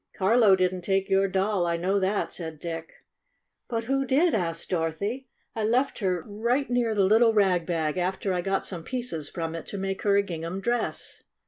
"Carlo didn't take your doll, I know that," said Dick. "But who did?" asked Dorothy. "I IN THE JUNK SHOP 93 left her right near the little rag bag, after I got some pieces from it to make her a gingham dress."